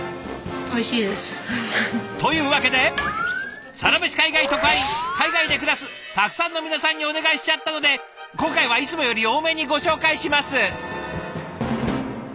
おいしいです。というわけで海外で暮らすたくさんの皆さんにお願いしちゃったので今回はいつもより多めにご紹介します！